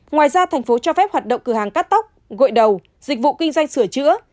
ngoài ra thành phố cho phép hoạt động cửa hàng cắt tóc gội đầu dịch vụ kinh doanh sửa chữa